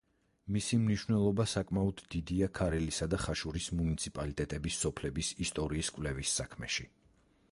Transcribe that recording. მისი მნიშვნელობა საკმაოდ დიდია ქარელისა და ხაშურის მუნიციპალიტეტების სოფლების ისტორიის კვლევის საქმეში.